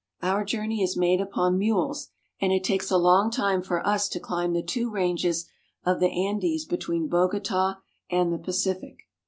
Our journey is made upon mules, and it takes a lon^ time for us to climb the two ranges of the Andes between Bogota and the Pacific.